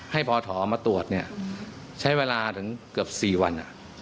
ให้พอถอมาตรวจเนี่ยใช้เวลาถึงเกือบ๔วัน